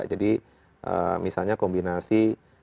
jadi misalnya kombinasi